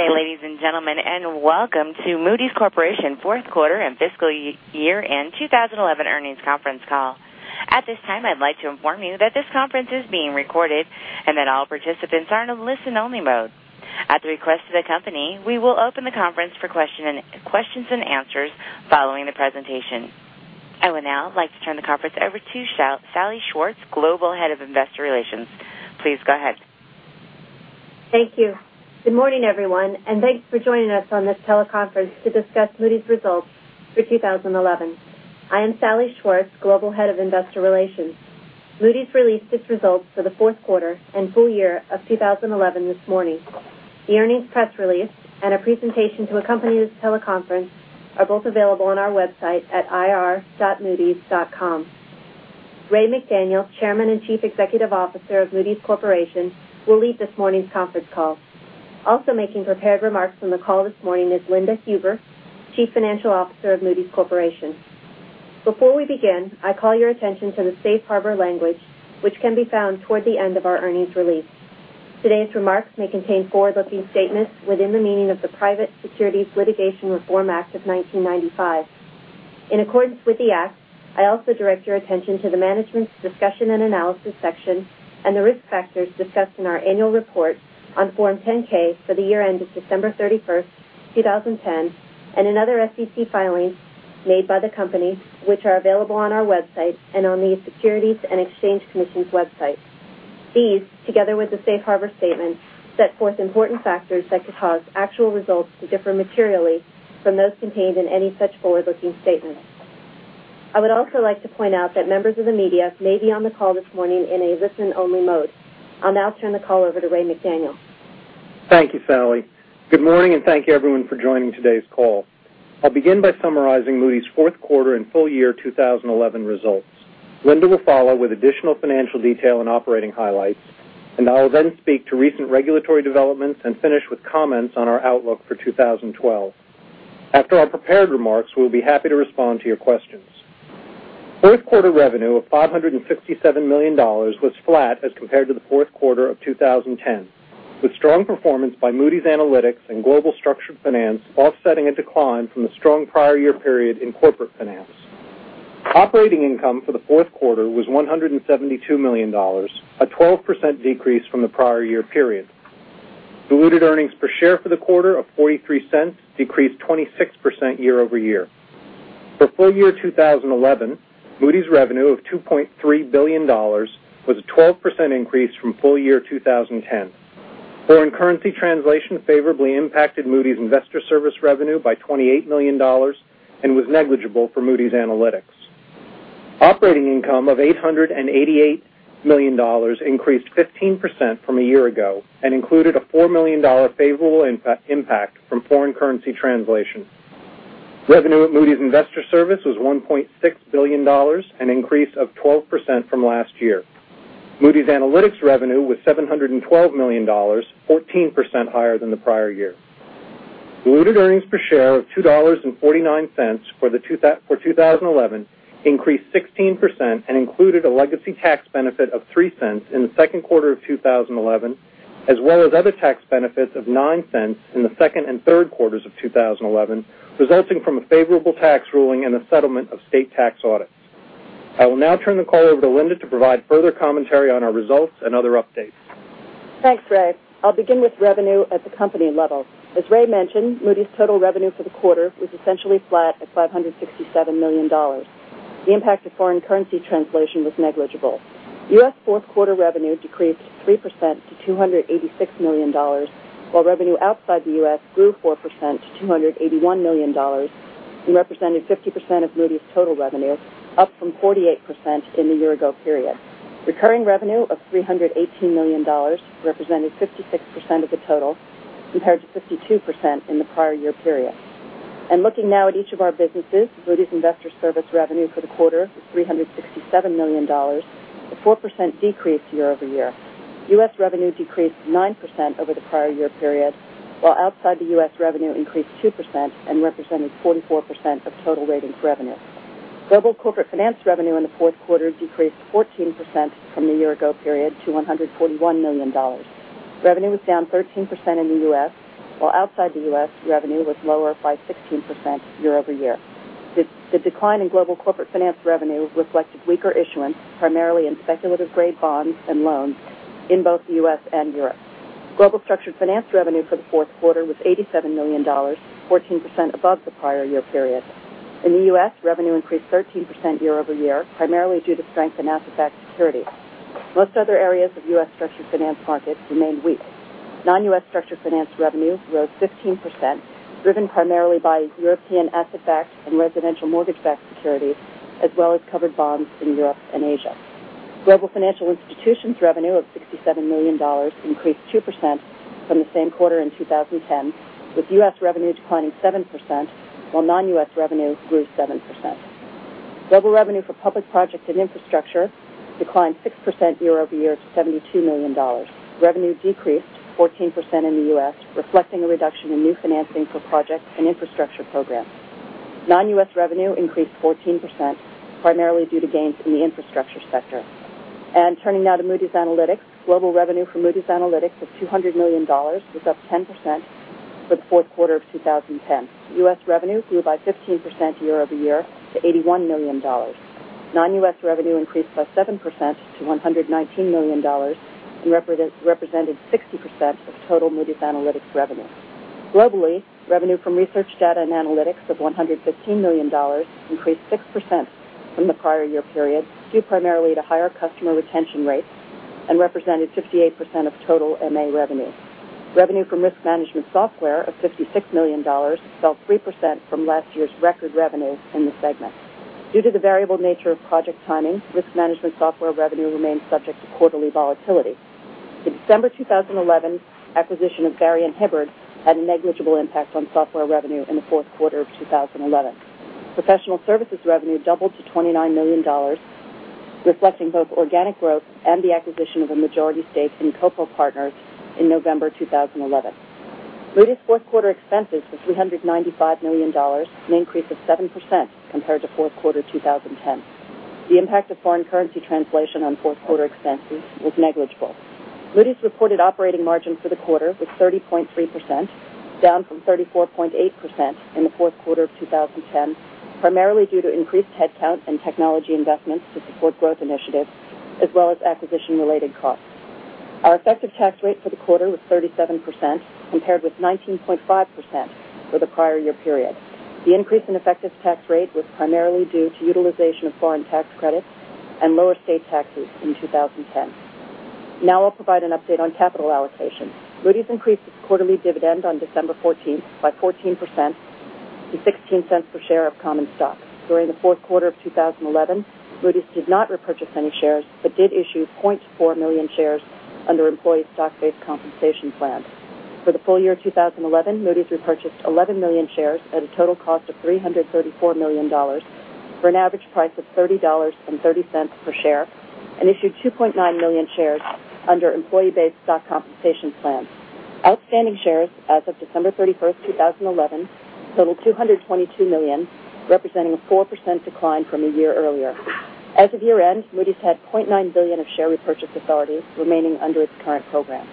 Good day, ladies and gentlemen, and welcome to Moody's Corporation's Fourth Quarter and Fiscal Year End 2011 Earnings Conference Call. At this time, I'd like to inform you that this conference is being recorded and that all participants are in a listen-only mode. At the request of the company, we will open the conference for questions and answers following the presentation. I would now like to turn the conference over to Salli Schwartz, Global Head of Investor Relations. Please go ahead. Thank you. Good morning, everyone, and thanks for joining us on this teleconference to discuss Moody's results for 2011. I am Salli Schwartz, Global Head of Investor Relations. Moody's released its results for the fourth quarter and full year of 2011 this morning. The earnings press release and a presentation to accompany this teleconference are both available on our website at ir.moodys.com. Ray McDaniel, Chairman and Chief Executive Officer of Moody's Corporation, will lead this morning's conference call. Also making prepared remarks on the call this morning is Linda Huber, Chief Financial Officer of Moody's Corporation. Before we begin, I call your attention to the Safe Harbor language, which can be found toward the end of our earnings release. Today's remarks may contain forward-looking statements within the meaning of the Private Securities Litigation Reform Act of 1995. In accordance with the act, I also direct your attention to the management discussion and analysis section and the risk factors discussed in our annual report on Form 10-K for the year-end of December 31st, 2010, and in other SEC filings made by the company, which are available on our website and on the Securities and Exchange Commission's website. These, together with the Safe Harbor statement, set forth important factors that could cause actual results to differ materially from those contained in any such forward-looking statement. I would also like to point out that members of the media may be on the call this morning in a listen-only mode. I'll now turn the call over to Ray McDaniel. Thank you, Salli. Good morning, and thank you, everyone, for joining today's call. I'll begin by summarizing Moody's fourth quarter and full year 2011 results. Linda will follow with additional financial detail and operating highlights, and I'll then speak to recent regulatory developments and finish with comments on our outlook for 2012. After our prepared remarks, we'll be happy to respond to your questions. Fourth quarter revenue of $567 million was flat as compared to the fourth quarter of 2010, with strong performance by Moody's Analytics and Global Structured Finance offsetting a decline from the strong prior year period in corporate finance. Operating income for the fourth quarter was $172 million, a 12% decrease from the prior year period. Diluted earnings per share for the quarter of $0.43 decreased 26% year-over-year. For full year 2011, Moody's revenue of $2.3 billion was a 12% increase from full year 2010. Foreign currency translation favorably impacted Moody's Investors Service revenue by $28 million and was negligible for Moody's Analytics. Operating income of $888 million increased 15% from a year ago and included a $4 million favorable impact from foreign currency translation. Revenue at Moody's Investors Service was $1.6 billion, an increase of 12% from last year. Moody's Analytics revenue was $712 million, 14% higher than the prior year. Diluted earnings per share of $2.49 for 2011 increased 16% and included a legacy tax benefit of $0.03 in the second quarter of 2011, as well as other tax benefits of $0.09 in the second and third quarters of 2011, resulting from a favorable tax ruling and a settlement of state tax audit. I will now turn the call over to Linda to provide further commentary on our results and other updates. Thanks, Ray. I'll begin with revenue at the company level. As Ray mentioned, Moody's total revenue for the quarter was essentially flat at $567 million. The impact of foreign currency translation was negligible. U.S. fourth quarter revenue decreased 3% to $286 million, while revenue outside the U.S. grew 4% to $281 million and represented 50% of Moody's total revenue, up from 48% in the year-ago period. Recurring revenue of $318 million represented 56% of the total compared to 52% in the prior year period. Looking now at each of our businesses, Moody's Investors Service revenue for the quarter is $367 million, a 4% decrease year-over-year. U.S. revenue decreased 9% over the prior year period, while outside the U.S. revenue increased 2% and represented 44% of total ratings revenue. Global Corporate Finance revenue in the fourth quarter decreased 14% from the year-ago period to $141 million. Revenue was down 13% in the U.S., while outside the U.S. revenue was lower by 16% year-over-year. The decline in Global Corporate Finance revenue reflected weaker issuance, primarily in speculative-grade bonds and loans in both the U.S. and Europe. Global Structured Finance revenue for the fourth quarter was $87 million, 14% above the prior year period. In the U.S., revenue increased 13% year-over-year, primarily due to strength in asset-backed security. Most other areas of U.S. structured finance markets remained weak. Non-U.S. structured finance revenues rose 15%, driven primarily by European asset-backed and residential mortgage-backed security, as well as covered bonds in Europe and Asia. Global financial institutions' revenue of $67 million increased 2% from the same quarter in 2010, with U.S. revenue declining 7%, while non-U.S. revenue grew 7%. Global revenue for public projects and infrastructure declined 6% year-over-year to $72 million. Revenue decreased 14% in the U.S., reflecting a reduction in new financing for projects and infrastructure programs. Non-U.S. revenue increased 14%, primarily due to gains in the infrastructure sector. Turning now to Moody's Analytics, global revenue for Moody's Analytics of $200 million was up 10% for the fourth quarter of 2010. U.S. revenue grew by 15% year-over-year to $81 million. Non-U.S. revenue increased by 7% to $119 million and represented 60% of total Moody's Analytics revenue. Globally, revenue from Research and Insights data and analytics of $115 million increased 6% from the prior year period, due primarily to higher customer retention rates, and represented 58% of total MA revenue. Revenue from risk management software of $56 million fell 3% from last year's record revenues in the segment. Due to the variable nature of project timing, risk management software revenue remained subject to quarterly volatility. The December 2011 acquisition of Barrie & Hibbert had a negligible impact on software revenue in the fourth quarter of 2011. Professional services revenue doubled to $29 million, reflecting both organic growth and the acquisition of a majority stake in Copal Partners in November 2011. Moody's fourth quarter expenses were $395 million, an increase of 7% compared to fourth quarter 2010. The impact of foreign currency translation on fourth quarter expenses was negligible. Moody's reported operating margin for the quarter was 30.3%, down from 34.8% in the fourth quarter of 2010, primarily due to increased headcount and technology investments to support growth initiatives, as well as acquisition-related costs. Our effective tax rate for the quarter was 37%, compared with 19.5% for the prior year period. The increase in effective tax rate was primarily due to utilization of foreign tax credits and lower state taxes in 2010. Now I'll provide an update on capital allocation. Moody's increased its quarterly dividend on December 14 by 14% to $0.16 per share of common stock. During the fourth quarter of 2011, Moody's did not repurchase any shares but did issue 400,000 shares under employee stock-based compensation plan. For the full year of 2011, Moody's repurchased 11 million shares at a total cost of $334 million for an average price of $30.30 per share and issued 2.9 million shares under employee-based stock compensation plan. Outstanding shares as of December 31st, 2011, totaled 222 million, representing a 4% decline from a year earlier. As of year-end, Moody's had $900 million of share repurchase authority remaining under its current programs.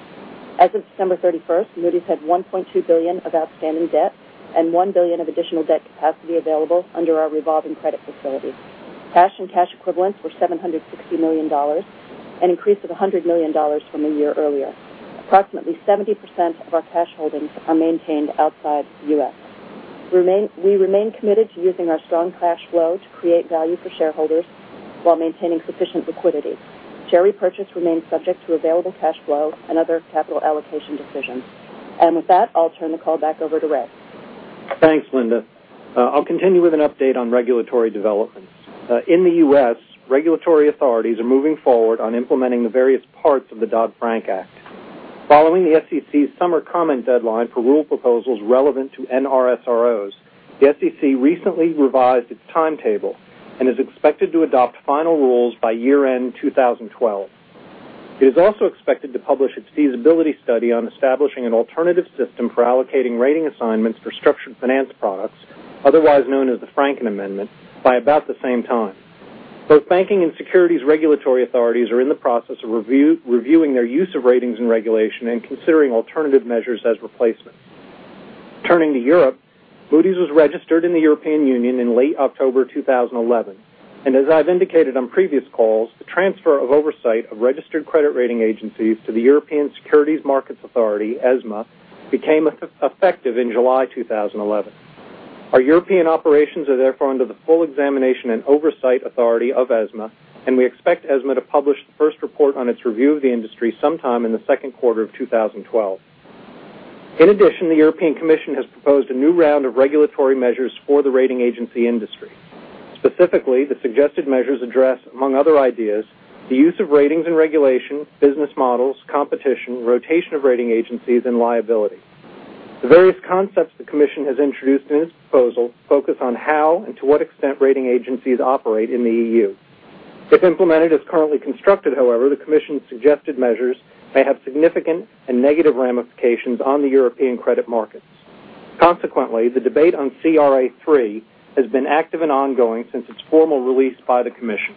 As of December 31st, Moody's had $1.2 billion of outstanding debt and $1 billion of additional debt capacity available under our revolving credit facility. Cash and cash equivalents were $760 million, an increase of $100 million from a year earlier. Approximately 70% of our cash holdings are maintained outside the U.S. We remain committed to using our strong cash flow to create value for shareholders while maintaining sufficient liquidity. Share repurchase remains subject to available cash flow and other capital allocation decisions. With that, I'll turn the call back over to Ray. Thanks, Linda. I'll continue with an update on regulatory developments. In the U.S., regulatory authorities are moving forward on implementing the various parts of the Dodd-Frank Act. Following the SEC's summer comment deadline for rule proposals relevant to NRSROs, the SEC recently revised its timetable and is expected to adopt final rules by year-end 2012. It is also expected to publish its feasibility study on establishing an alternative system for allocating rating assignments for structured finance products, otherwise known as the Franken Amendment, by about the same time. Both banking and securities regulatory authorities are in the process of reviewing their use of ratings in regulation and considering alternative measures as replacements. Turning to Europe, Moody's was registered in the European Union in late October 2011. As I've indicated on previous calls, the transfer of oversight of registered credit rating agencies to the European Securities and Markets Authority, ESMA, became effective in July 2011. Our European operations are therefore under the full examination and oversight authority of ESMA, and we expect ESMA to publish the first report on its review of the industry sometime in the second quarter of 2012. In addition, the European Commission has proposed a new round of regulatory measures for the rating agency industry. Specifically, the suggested measures address, among other ideas, the use of ratings in regulation, business models, competition, rotation of rating agencies, and liability. The various concepts the Commission has introduced in its proposal focus on how and to what extent rating agencies operate in the EU. If implemented as currently constructed, however, the Commission's suggested measures may have significant and negative ramifications on the European credit markets. Consequently, the debate on CRA III has been active and ongoing since its formal release by the Commission.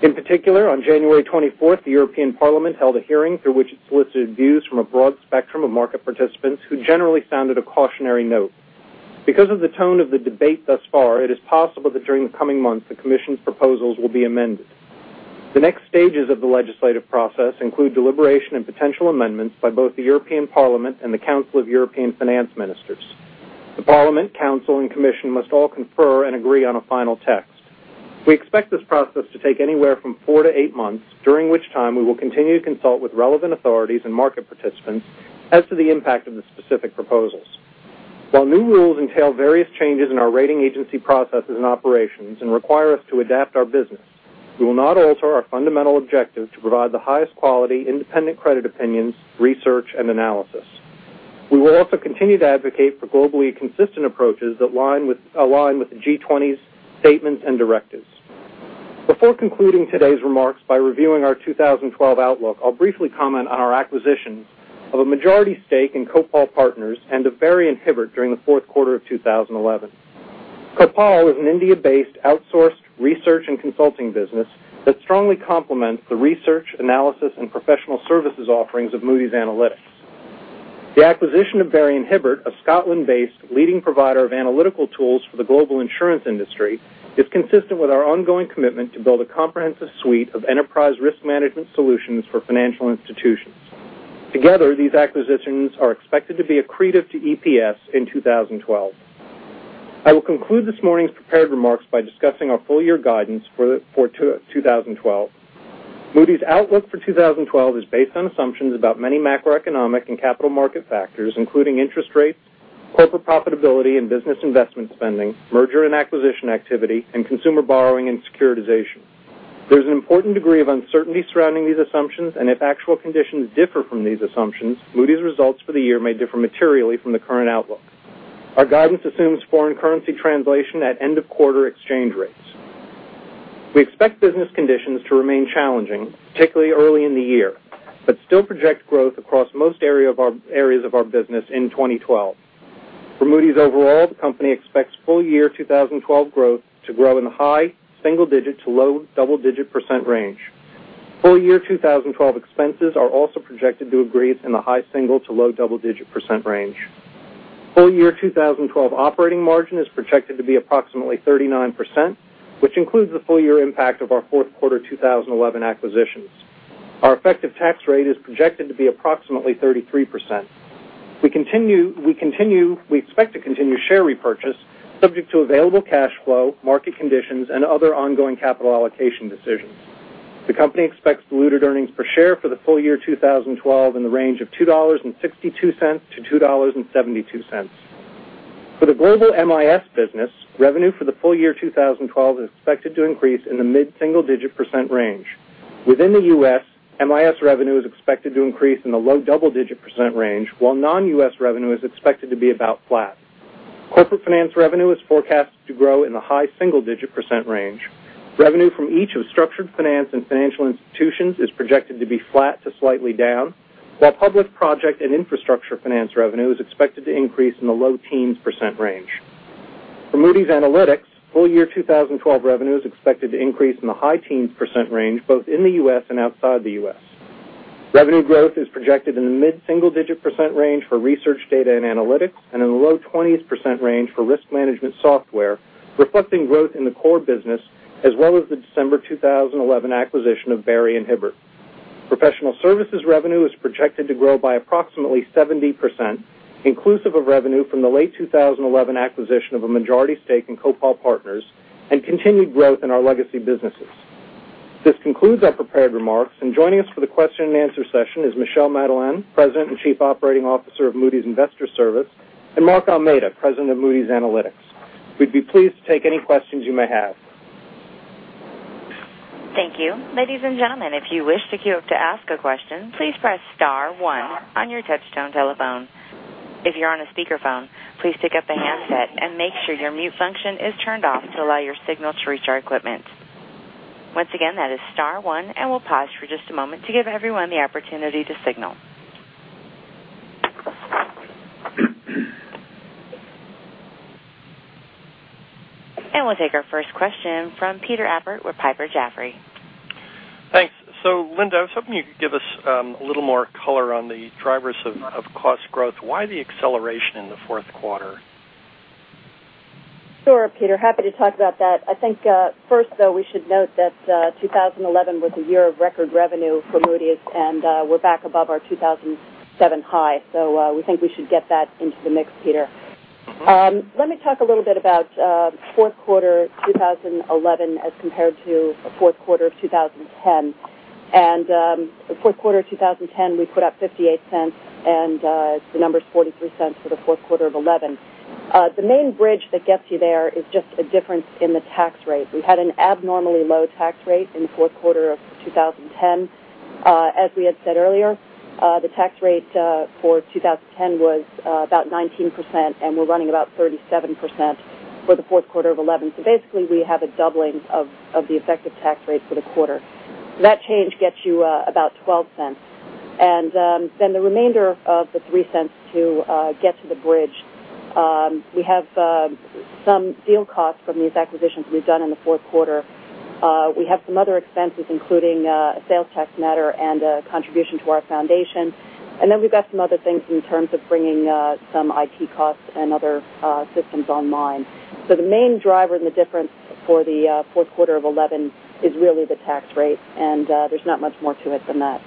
In particular, on January 24th, the European Parliament held a hearing through which it solicited views from a broad spectrum of market participants, who generally sounded a cautionary note. Because of the tone of the debate thus far, it is possible that during the coming months, the Commission's proposals will be amended. The next stages of the legislative process include deliberation and potential amendments by both the European Parliament and the Council of European Finance Ministers. The Parliament, Council, and Commission must all confer and agree on a final text. We expect this process to take anywhere from four to eight months, during which time we will continue to consult with relevant authorities and market participants as to the impact of the specific proposals. While new rules entail various changes in our rating agency processes and operations and require us to adapt our business, we will not alter our fundamental objective to provide the highest quality, independent credit opinions, research, and analysis. We will also continue to advocate for globally consistent approaches that align with the G20's statement and directives. Before concluding today's remarks by reviewing our 2012 outlook, I'll briefly comment on our acquisitions of a majority stake in Copal Partners and of Barrie & Hibbert during the fourth quarter of 2011. Copal is an India-based outsourced research and consulting business that strongly complements the research, analysis, and professional services offerings of Moody's Analytics. The acquisition of Barrie & Hibbert, a Scotland-based leading provider of analytical tools for the global insurance industry, is consistent with our ongoing commitment to build a comprehensive suite of enterprise risk management solutions for financial institutions. Together, these acquisitions are expected to be accretive to EPS in 2012. I will conclude this morning's prepared remarks by discussing our full-year guidance for 2012. Moody's outlook for 2012 is based on assumptions about many macroeconomic and capital market factors, including interest rates, corporate profitability and business investment spending, merger and acquisition activity, and consumer borrowing and securitization. There is an important degree of uncertainty surrounding these assumptions, and if actual conditions differ from these assumptions, Moody's results for the year may differ materially from the current outlook. Our guidance assumes foreign currency translation at end-of-quarter exchange rates. We expect business conditions to remain challenging, particularly early in the year, but still project growth across most areas of our business in 2012. For Moody's overall, the company expects full-year 2012 growth to grow in the high single-digit to low double-digit percent range. Full-year 2012 expenses are also projected to grow in the high single to low double-digit percent range. Full-year 2012 operating margin is projected to be approximately 39%, which includes the full-year impact of our fourth quarter 2011 acquisitions. Our effective tax rate is projected to be approximately 33%. We expect to continue share repurchase, subject to available cash flow, market conditions, and other ongoing capital allocation decisions. The company expects diluted earnings per share for the full year 2012 in the range of $2.62-$2.72. For the global MIS business, revenue for the full year 2012 is expected to increase in the mid-single-digit percent range. Within the U.S., MIS revenue is expected to increase in the low double-digit percent range, while non-U.S. revenue is expected to be about flat. Corporate finance revenue is forecast to grow in the high single-digit percent range. Revenue from each of structured finance and financial institutions is projected to be flat to slightly down, while public, project, and infrastructure finance revenue is expected to increase in the low teens percent range. For Moody's Analytics, full-year 2012 revenue is expected to increase in the high teens percent range, both in the U.S. and outside the U.S. Revenue growth is projected in the mid-single-digit percent range for research, data, and analytics and in the low 20s% range for risk management software, reflecting growth in the core business as well as the December 2011 acquisition of Barrie & Hibbert. Professional services revenue is projected to grow by approximately 70%, inclusive of revenue from the late 2011 acquisition of a majority stake in Copal Partners and continued growth in our legacy businesses. This concludes our prepared remarks, and joining us for the question and answer session is Michel Madelain, President and Chief Operating Officer of Moody's Investors Service, and Mark Almeida, President of Moody's Analytics. We'd be pleased to take any questions you may have. Thank you. Ladies and gentlemen, if you wish to queue up to ask a question, please press star one on your touch-tone telephone. If you're on a speakerphone, please pick up the handset and make sure your mute function is turned off to allow your signal to reach our equipment. Once again, that is star one. We'll pause for just a moment to give everyone the opportunity to signal. We'll take our first question from Peter Appert with Piper Jaffray. Thanks. Linda, I was hoping you could give us a little more color on the drivers of cost growth. Why the acceleration in the fourth quarter? Sure, Peter, happy to talk about that. I think first, though, we should note that 2011 was a year of record revenue for Moody's, and we're back above our 2007 high. We think we should get that into the mix, Peter. Let me talk a little bit about fourth quarter 2011 as compared to fourth quarter 2010. In the fourth quarter of 2010, we put up $0.58, and the number is $0.43 for the fourth quarter of 2011. The main bridge that gets you there is just a difference in the tax rate. We've had an abnormally low tax rate in the fourth quarter of 2010. As we had said earlier, the tax rate for 2010 was about 19%, and we're running about 37% for the fourth quarter of 2011. Basically, we have a doubling of the effective tax rate for the quarter. That change gets you about $0.12. The remainder of the $0.03 to get to the bridge, we have some deal costs from these acquisitions we've done in the fourth quarter. We have some other expenses, including a sales tax matter and a contribution to our foundation. We've got some other things in terms of bringing some IT costs and other systems online. The main driver in the difference for the fourth quarter of 2011 is really the tax rate, and there's not much more to it than that.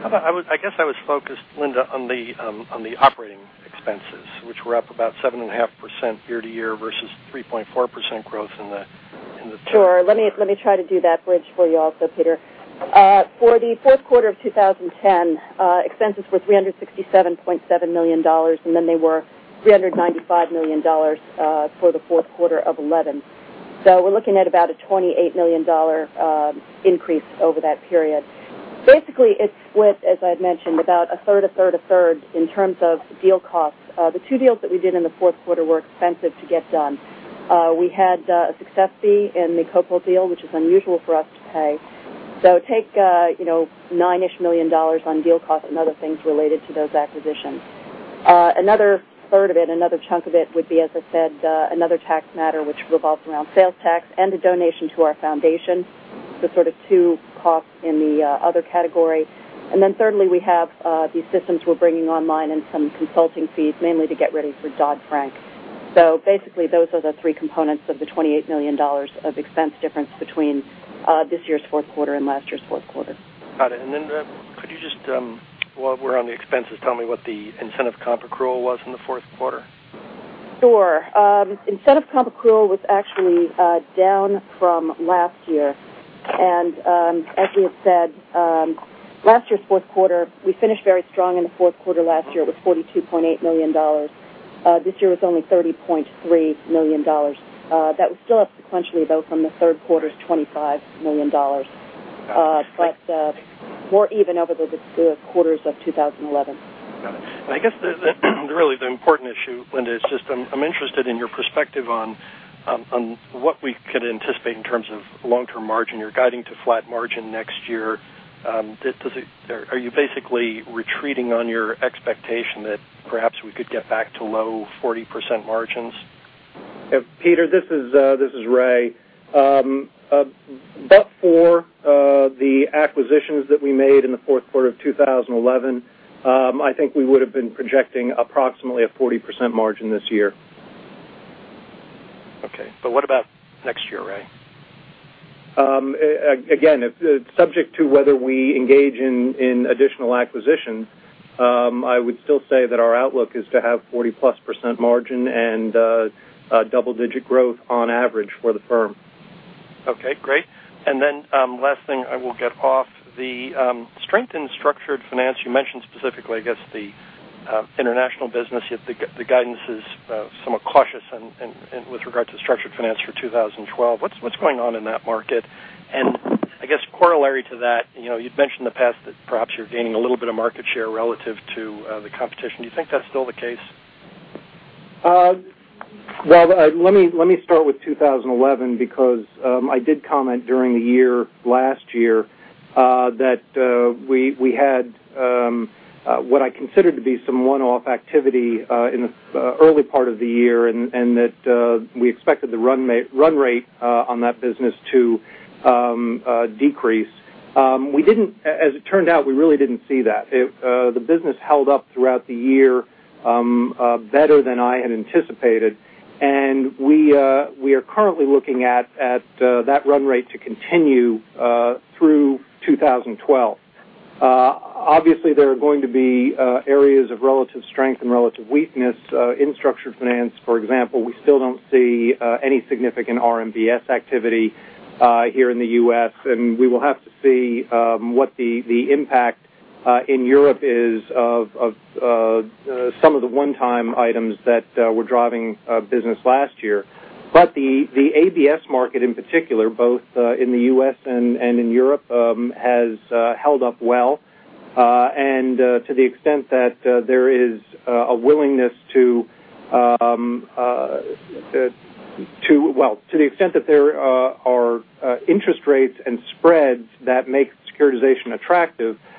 How about, I guess I was focused, Linda, on the operating expenses, which were up about 7.5% year-to-year versus 3.4% growth in the. Sure. Let me try to do that bridge for you also, Peter. For the fourth quarter of 2010, expenses were $367.7 million, and then they were $395 million for the fourth quarter of 2011. We're looking at about a $28 million increase over that period. Basically, it's split, as I had mentioned, about 1/3, 1/3, 1/3 in terms of deal costs. The two deals that we did in the fourth quarter were expensive to get done. We had a success fee in the Copal Partners deal, which is unusual for us to pay. Take $9-ish million on deal costs and other things related to those acquisitions. Another third of it, another chunk of it would be, as I said, another tax matter, which revolves around sales tax and a donation to our foundation. Two costs in the other category. Thirdly, we have these systems we're bringing online and some consulting fees, mainly to get ready for Dodd-Frank. Those are the three components of the $28 million of expense difference between this year's fourth quarter and last year's fourth quarter. Got it. Could you just, while we're on the expenses, tell me what the incentive comp accrual was in the fourth quarter? Sure. Incentive comp accrual was actually down from last year. As we had said, last year's fourth quarter, we finished very strong in the fourth quarter last year. It was $42.8 million. This year was only $30.3 million. That was still up sequentially from the third quarter's $25 million. That's more even over the quarters of 2011. Got it. I guess really the important issue, Linda, is just I'm interested in your perspective on what we could anticipate in terms of long-term margin. You're guiding to flat margin next year. Are you basically retreating on your expectation that perhaps we could get back to low 40% margins? Yeah. Peter, this is Ray. Except for the acquisitions that we made in the fourth quarter of 2011, I think we would have been projecting approximately a 40% margin this year. Okay. What about next year, Ray? Again, subject to whether we engage in additional acquisition, I would still say that our outlook is to have 40+% margin and double-digit growth on average for the firm. Okay. Great. Last thing, I will get off the strengthened structured finance. You mentioned specifically, I guess, the international business, the guidance is somewhat cautious with regard to structured finance for 2012. What's going on in that market? I guess, corollary to that, you'd mentioned in the past that perhaps you're gaining a little bit of market share relative to the competition. Do you think that's still the case? Let me start with 2011 because I did comment during the year last year that we had what I considered to be some one-off activity in the early part of the year and that we expected the run rate on that business to decrease. As it turned out, we really didn't see that. The business held up throughout the year better than I had anticipated. We are currently looking at that run rate to continue through 2012. Obviously, there are going to be areas of relative strength and relative weakness in structured finance. For example, we still don't see any significant RMBS activity here in the U.S. We will have to see what the impact in Europe is of some of the one-time items that were driving business last year. The ABS market in particular, both in the U.S. and in Europe, has held up well. To the extent that there are interest rates and spreads that make securitization attractive, there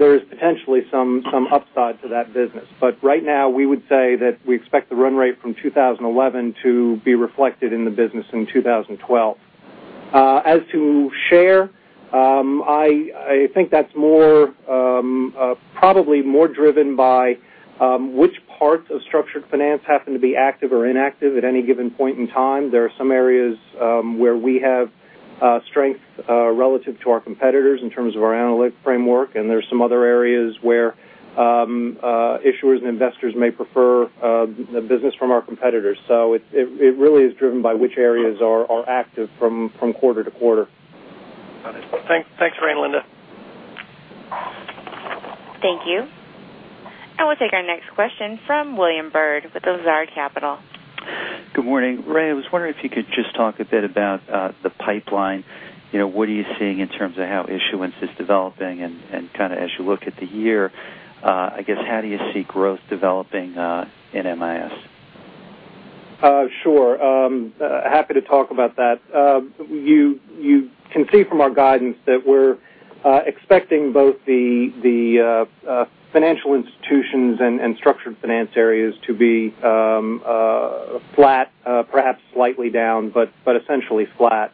is potentially some upside to that business. Right now, we would say that we expect the run rate from 2011 to be reflected in the business in 2012. As to share, I think that's probably more driven by which parts of structured finance happen to be active or inactive at any given point in time. There are some areas where we have strength relative to our competitors in terms of our analytic framework. There are some other areas where issuers and investors may prefer the business from our competitors. It really is driven by which areas are active from quarter-to-quarter. Got it. Thanks, Ray and Linda. Thank you. We'll take our next question from William Bird with Lazard Capital. Good morning. Ray, I was wondering if you could just talk a bit about the pipeline. What are you seeing in terms of how issuance is developing? As you look at the year, I guess, how do you see growth developing in MIS? Sure. Happy to talk about that. You can see from our guidance that we're expecting both the financial institutions and structured finance areas to be flat, perhaps slightly down, but essentially flat.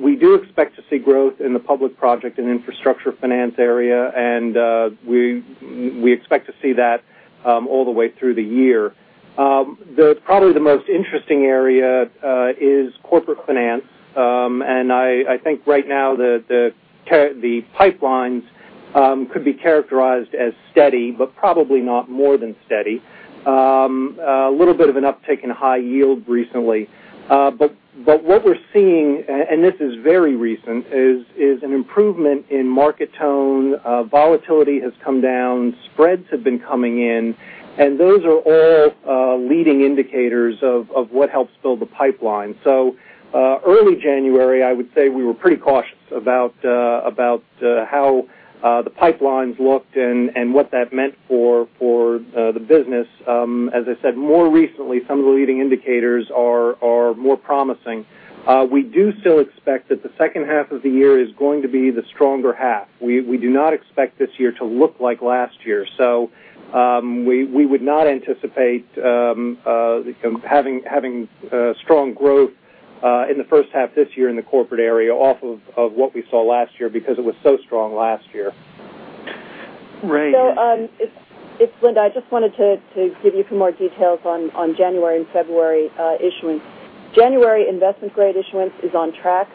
We do expect to see growth in the public, project, and infrastructure finance area, and we expect to see that all the way through the year. Probably the most interesting area is corporate finance. I think right now the pipelines could be characterized as steady, but probably not more than steady. A little bit of an uptick in high yield recently. What we're seeing, and this is very recent, is an improvement in market tone. Volatility has come down. Spreads have been coming in. Those are all leading indicators of what helps build the pipeline. Early January, I would say we were pretty cautious about how the pipelines looked and what that meant for the business. As I said, more recently, some of the leading indicators are more promising. We do still expect that the second half of the year is going to be the stronger half. We do not expect this year to look like last year. We would not anticipate having strong growth in the first half this year in the corporate area off of what we saw last year because it was so strong last year. Ray. Linda, I just wanted to give you a few more details on January and February issuance. January investment-grade issuance is on track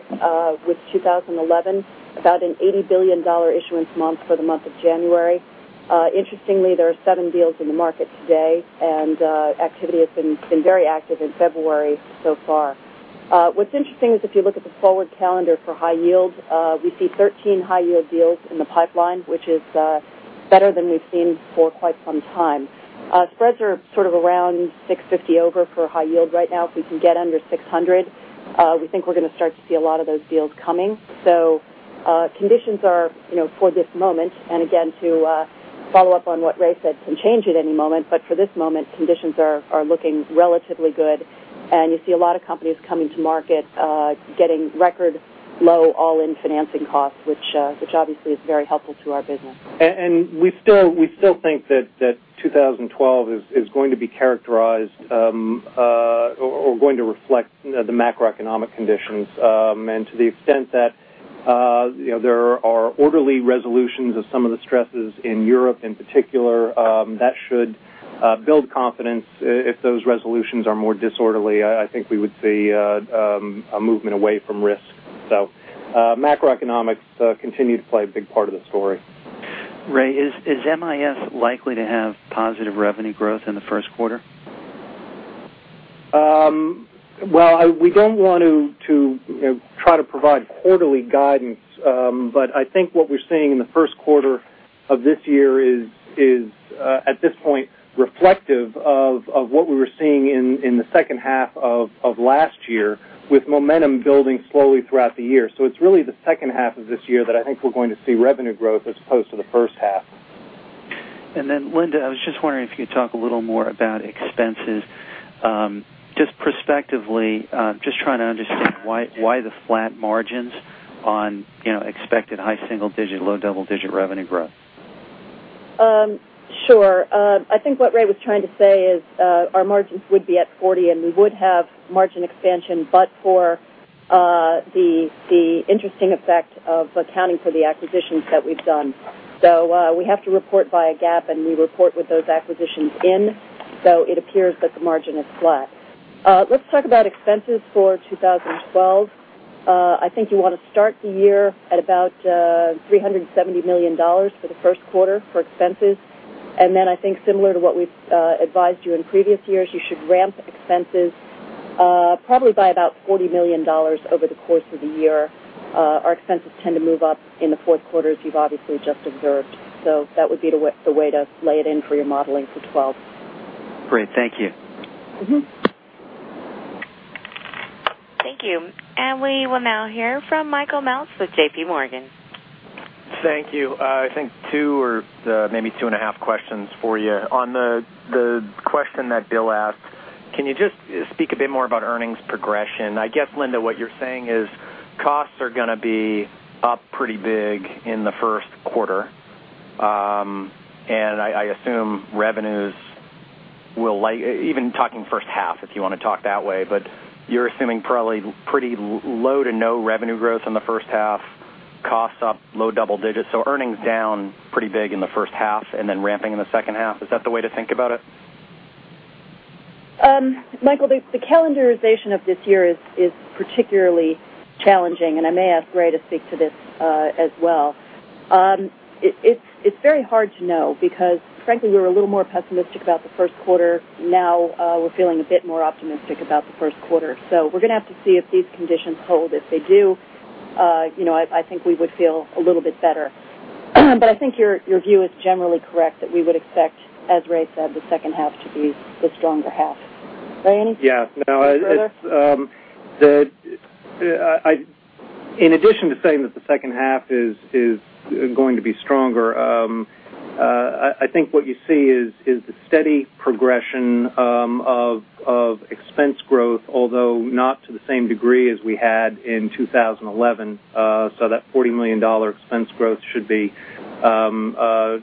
with 2011, about an $80 billion issuance month for the month of January. Interestingly, there are seven deals in the market today, and activity has been very active in February so far. What's interesting is if you look at the forward calendar for high yield, we see 13 high-yield deals in the pipeline, which is better than we've seen for quite some time. Spreads are sort of around 650 basis points over for high yield right now. If we can get under 600 basis points, we think we're going to start to see a lot of those deals coming. Conditions are, you know, for this moment, and again, to follow up on what Ray said, can change at any moment. For this moment, conditions are looking relatively good. You see a lot of companies coming to market, getting record low all-in financing costs, which obviously is very helpful to our business. We still think that 2012 is going to be characterized or going to reflect the macroeconomic conditions. To the extent that there are orderly resolutions of some of the stresses in Europe in particular, that should build confidence. If those resolutions are more disorderly, I think we would see a movement away from risk. Macroeconomics continue to play a big part of the story. Ray, is MIS likely to have positive revenue growth in the first quarter? We don't want to try to provide quarterly guidance, but I think what we're seeing in the first quarter of this year is, at this point, reflective of what we were seeing in the second half of last year, with momentum building slowly throughout the year. It's really the second half of this year that I think we're going to see revenue growth as opposed to the first half. Linda, I was just wondering if you could talk a little more about expenses. Just prospectively, just trying to understand why the flat margins on expected high single-digit, low double-digit revenue growth. Sure. I think what Ray was trying to say is our margins would be at 40%, and we would have margin expansion, but for the interesting effect of accounting for the acquisitions that we've done. We have to report by GAAP, and we report with those acquisitions in. It appears that the margin is flat. Let's talk about expenses for 2012. I think you want to start the year at about $370 million for the first quarter for expenses. I think similar to what we've advised you in previous years, you should ramp expenses probably by about $40 million over the course of the year. Our expenses tend to move up in the fourth quarter as you've obviously just observed. That would be the way to lay it in for your modeling for 2012. Great. Thank you. Thank you. We will now hear from Michael Meltz with JPMorgan. Thank you. I think two or maybe two and a half questions for you. On the question that Bill asked, can you just speak a bit more about earnings progression? I guess, Linda, what you're saying is costs are going to be up pretty big in the first quarter. I assume revenues will, like, even talking first half, if you want to talk that way. You're assuming probably pretty low to no revenue growth in the first half, costs up low double digits. Earnings down pretty big in the first half and then ramping in the second half. Is that the way to think about it? Michael, the calendarization of this year is particularly challenging. I may ask Ray to speak to this as well. It's very hard to know because, frankly, we were a little more pessimistic about the first quarter. Now we're feeling a bit more optimistic about the first quarter. We're going to have to see if these conditions hold. If they do, I think we would feel a little bit better. I think your view is generally correct that we would expect, as Ray said, the second half to be the stronger half. Ray, anything further? In addition to saying that the second half is going to be stronger, I think what you see is the steady progression of expense growth, although not to the same degree as we had in 2011. That $40 million expense growth should be a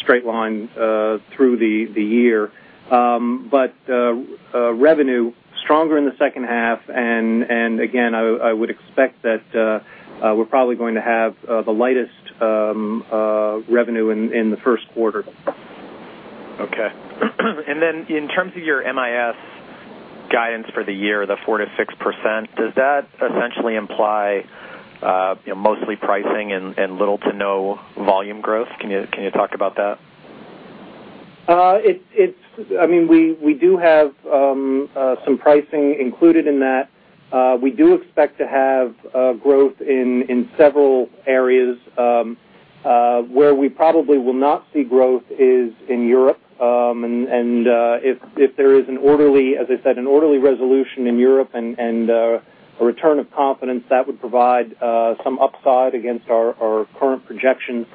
straight line through the year. Revenue is stronger in the second half. I would expect that we're probably going to have the lightest revenue in the first quarter. Okay. In terms of your MIS guidance for the year, the 4%-6%, does that eventually imply mostly pricing and little to no volume growth? Can you talk about that? We do have some pricing included in that. We do expect to have growth in several areas. Where we probably will not see growth is in Europe. If there is an orderly, as I said, an orderly resolution in Europe and a return of confidence, that would provide some upside against our current projection.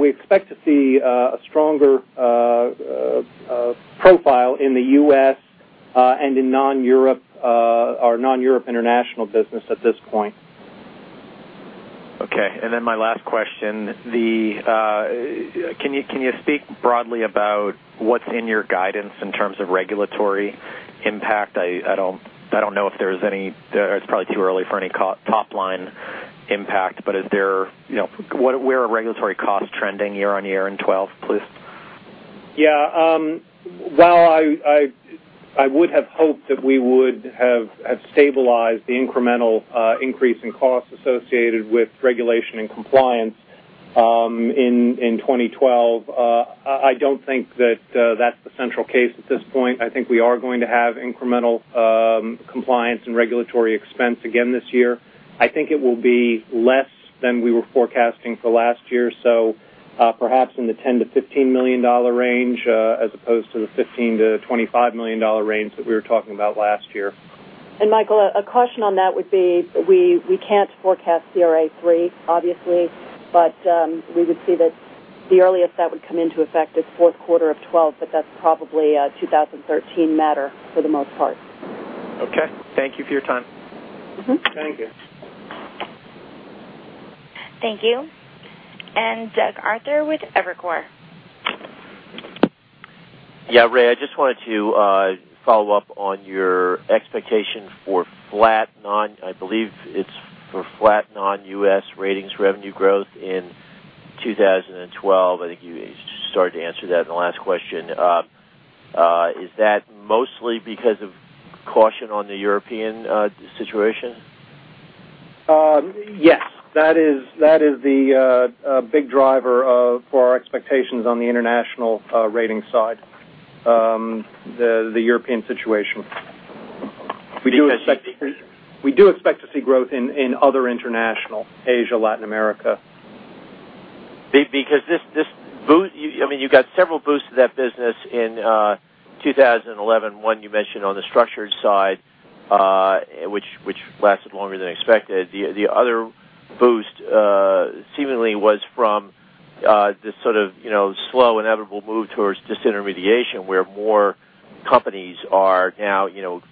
We expect to see a stronger profile in the U.S. and in our non-Europe international business at this point. Okay. My last question, can you speak broadly about what's in your guidance in terms of regulatory impact? I don't know if there's any, it's probably too early for any top-line impact, but is there, you know, where are regulatory costs trending year on year in 2012, please? While I would have hoped that we would have stabilized the incremental increase in costs associated with regulation and compliance in 2012, I don't think that that's the central case at this point. I think we are going to have incremental compliance and regulatory expense again this year. I think it will be less than we were forecasting for last year, perhaps in the $10 million-$15 million range as opposed to the $15 million-$25 million range that we were talking about last year. Michael, a caution on that would be we can't forecast CRA III, obviously. We would see that the earliest that would come into effect is fourth quarter of 2012. That's probably a 2013 matter for the most part. Okay, thank you for your time. Thank you. Thank you. Doug Arthur with Evercore. Yeah, Ray, I just wanted to follow up on your expectation for flat, I believe it's for flat non-U.S. ratings revenue growth in 2012. I think you started to answer that in the last question. Is that mostly because of caution on the European situation? Yes. That is the big driver for our expectations on the international rating side, the European situation. We do expect to see growth in other international, Asia, Latin America. Because this, I mean, you got several boosts to that business in 2011, one you mentioned on the structured side, which lasted longer than expected. The other boost seemingly was from this sort of, you know, slow, inevitable move towards disintermediation, where more companies are now, you know,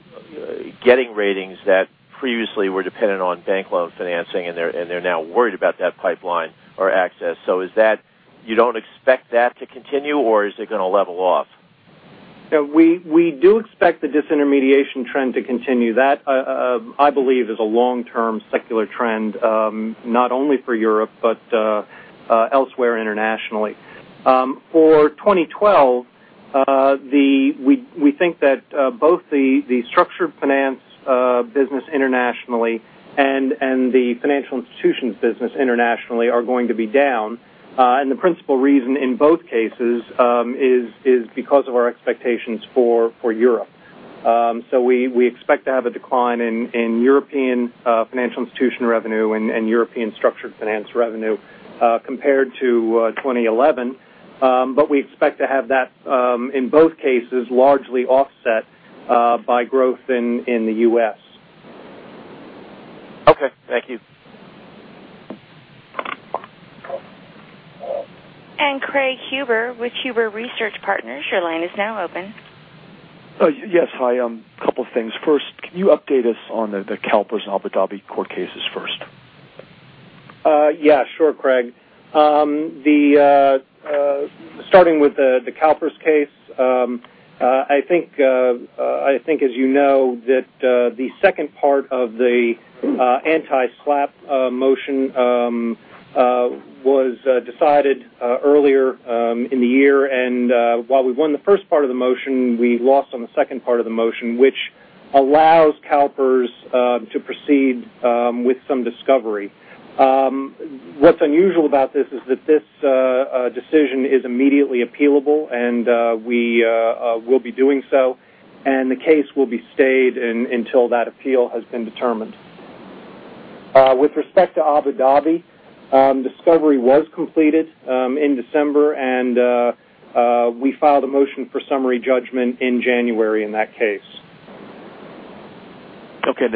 getting ratings that previously were dependent on bank loan financing, and they're now worried about that pipeline or access. Is that you don't expect that to continue, or is it going to level off? Yeah. We do expect the disintermediation trend to continue. That, I believe, is a long-term secular trend, not only for Europe, but elsewhere internationally. For 2012, we think that both the structured finance business internationally and the financial institutions business internationally are going to be down. The principal reason in both cases is because of our expectations for Europe. We expect to have a decline in European financial institution revenue and European structured finance revenue compared to 2011. We expect to have that in both cases largely offset by growth in the U.S. Okay, thank you. Craig Huber with Huber Research Parners. Your line is now open. Yes. Hi. A couple of things. First, can you update us on the CalPERS Abu Dhabi court cases first? Yeah. Sure, Craig. Starting with the CalPERS case, I think, as you know, that the second part of the anti-SLAPP motion was decided earlier in the year. While we won the first part of the motion, we lost on the second part of the motion, which allows CalPERS to proceed with some discovery. What's unusual about this is that this decision is immediately appealable, and we will be doing so. The case will be stayed until that appeal has been determined. With respect to Abu Dhabi, discovery was completed in December, and we filed a motion for summary judgment in January in that case. Okay.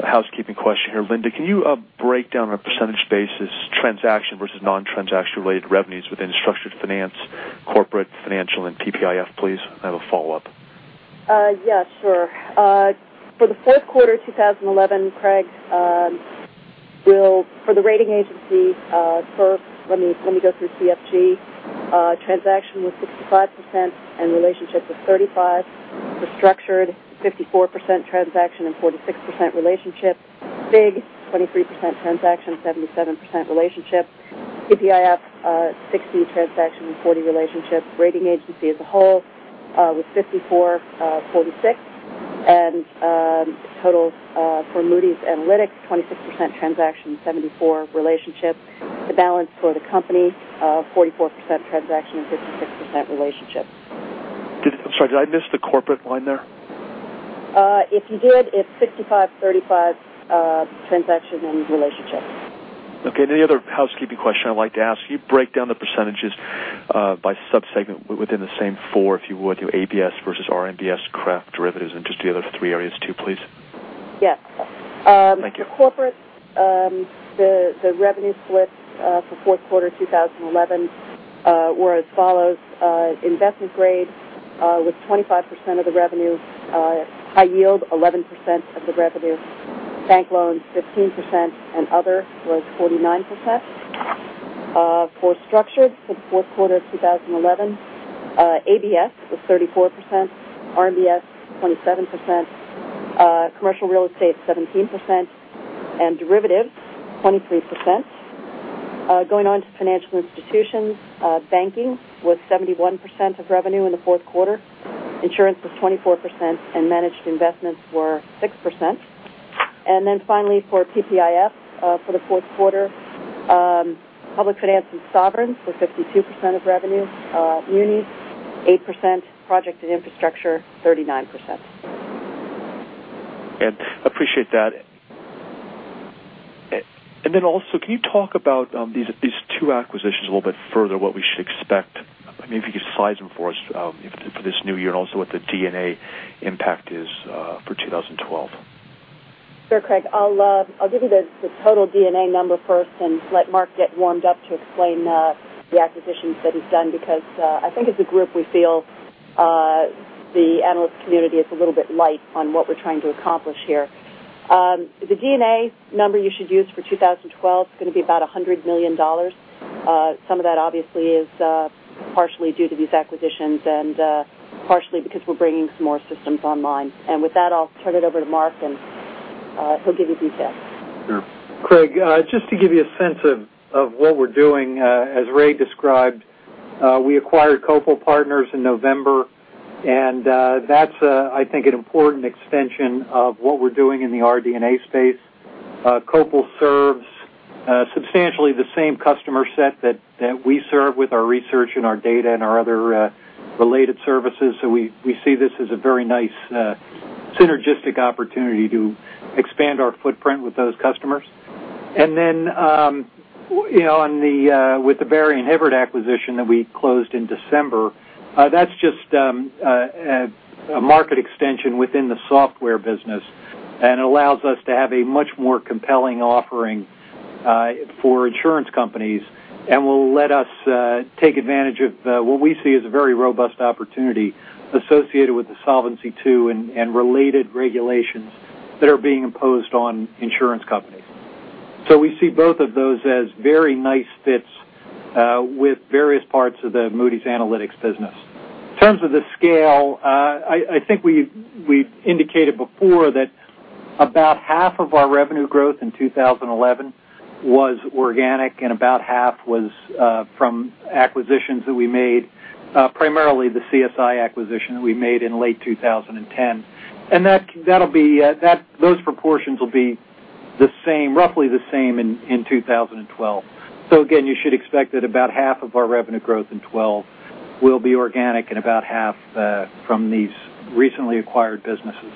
A housekeeping question here. Linda, can you break down on a percentage basis transaction versus non-transaction-related revenues within structured finance, corporate, financial, and PPIF, please? I have a follow-up. Yeah. Sure. For the fourth quarter of 2011, Craig, for the rating agency, let me go through CFG. Transaction was 65% and relationship was 35%. For structured, 54% transaction and 46% relationship. FIG, 23% transaction, 77% relationship. PPIF, 60% transaction and 40% relationship. Rating agency as a whole was 54%, 46%. Total for Moody's Analytics, 26% transaction and 74% relationship. The balance for the company, 44% transaction and 56% relationship. I'm sorry. Did I miss the corporate line there? If you do it, it's 65%, 35% transaction and relationship. Okay. Any other housekeeping question I'd like to ask? Can you break down the percentages by subsegment within the same four, if you would? You know, ABS versus RMBS, CREF, derivatives, and just the other three areas too, please? Yes. Thank you. For corporate, the revenue splits for the fourth quarter of 2011 were as follows: investment-grade was 25% of the revenue, high yield 11% of the revenue, bank loans 15%, and other was 49%. For structured, for the fourth quarter of 2011, ABS was 34%, RMBS 27%, commercial real estate 17%, and derivatives 23%. Going on to financial institution, banking was 71% of revenue in the fourth quarter, insurance was 24%, and managed investments were 6%. Finally, for PPIF for the fourth quarter, public finance and sovereigns was 52% of revenue, Muni 8%, project and infrastructure 39%. I appreciate that. Can you talk about these two acquisitions a little bit further, what we should expect? Maybe if you could size them for us for this new year and also what the D&A impact is for 2012. Sure, Craig. I'll give you the total D&A number first and let Mark get warmed up to explain the acquisitions that he's done because I think as a group, we feel the analyst community is a little bit light on what we're trying to accomplish here. The D&A number you should use for 2012 is going to be about $100 million. Some of that obviously is partially due to these acquisitions and partially because we're bringing some more systems online. With that, I'll turn it over to Mark, and he'll give you details. Yeah. Craig, just to give you a sense of what we're doing, as Ray described, we acquired Copal Partners in November. That's, I think, an important extension of what we're doing in the RDNA space. Copal serves substantially the same customer set that we serve with our research and our data and our other related services. We see this as a very nice synergistic opportunity to expand our footprint with those customers. With the Barrie & Hibbert acquisition that we closed in December, that's just a market extension within the software business. It allows us to have a much more compelling offering for insurance companies and will let us take advantage of what we see as a very robust opportunity associated with the Solvency II and related regulations that are being imposed on insurance companies. We see both of those as very nice fits with various parts of the Moody's Analytics business. In terms of the scale, I think we indicated before that about half of our revenue growth in 2011 was organic and about half was from acquisitions that we made, primarily the CSI acquisition that we made in late 2010. Those proportions will be roughly the same in 2012. You should expect that about half of our revenue growth in 2012 will be organic and about half from these recently acquired businesses.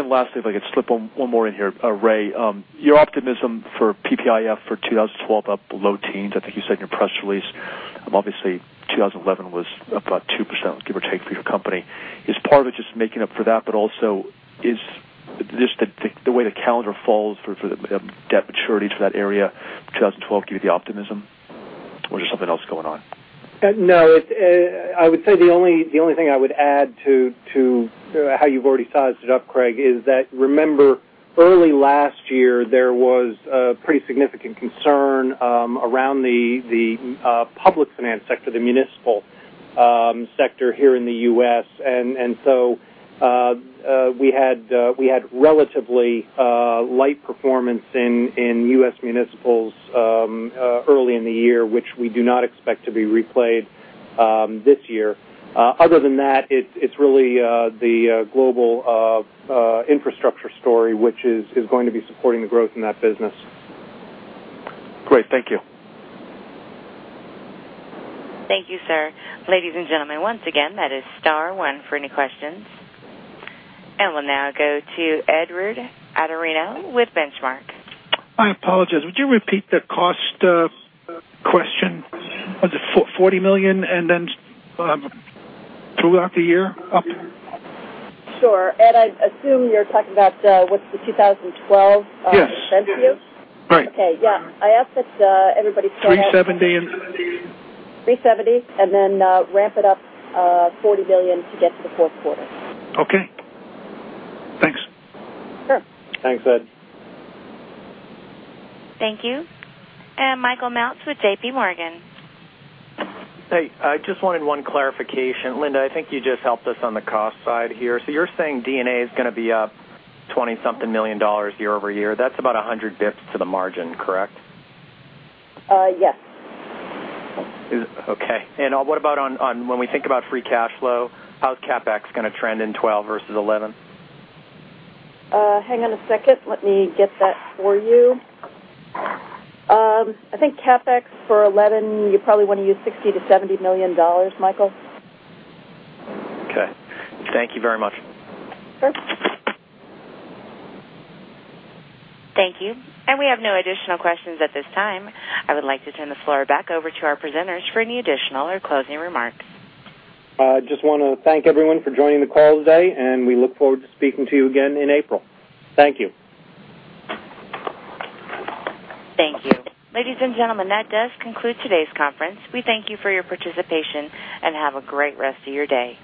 Lastly, if I could slip one more in here, Ray. Your optimism for PPIF for 2012 up below teens, I think you said in your press release, obviously, 2011 was up about 2%, give or take, for your company. Is part of it just making up for that, but also is this the way the calendar falls for debt maturity for that area in 2012 give you the optimism, or is there something else going on? No. I would say the only thing I would add to how you've already sized it up, Craig, is that remember early last year, there was a pretty significant concern around the public finance sector, the municipal sector here in the U.S. We had relatively light performance in U.S. municipals early in the year, which we do not expect to be replayed this year. Other than that, it's really the global infrastructure story, which is going to be supporting the growth in that business. Great. Thank you. Thank you, sir. Ladies and gentlemen, once again, that is star one for any questions. We'll now go to Edward Atorino with Benchmark. I apologize. Would you repeat the cost question? Was it $40 million and then throughout the year up? Sure. Ed, I assume you're talking about what's the 2012 spending? Yes. Okay. I asked that everybody's point. $370 million and. $370 million and then ramp it up $40 million to get to the fourth quarter. Okay. Thanks. Sure. Thanks, Ed. Thank you. Michael Meltz with JPMorgan. Hey, I just wanted one clarification. Linda, I think you just helped us on the cost side here. You're saying D&A is going to be up $20-something million year-over-year. That's about 100 bps to the margin, correct? Yes. Okay. What about when we think about free cash flow, how's CapEx going to trend in 2012 versus 2011? Hang on a second. Let me get that for you. I think CapEx for 2011, you probably want to use $60 million-$70 million, Michael. Okay, thank you very much. Sure. Thank you. We have no additional questions at this time. I would like to turn the floor back over to our presenters for any additional or closing remarks. I just want to thank everyone for joining the call today, and we look forward to speaking to you again in April. Thank you. Thank you. Ladies and gentlemen, that does conclude today's conference. We thank you for your participation and have a great rest of your day.